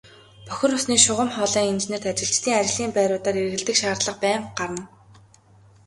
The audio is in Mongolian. Бохир усны шугам хоолойн инженерт ажилчдын ажлын байруудаар эргэлдэх шаардлага байнга гарна.